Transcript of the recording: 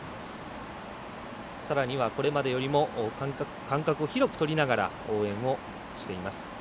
さらには、これまでよりも間隔を広くとりながら応援をしています。